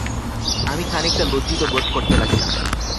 আমি খানিকটা লজ্জিত বোধ করতে লাগিলাম।